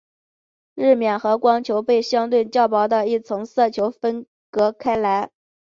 日冕和光球被相对较薄的一层色球分隔开来。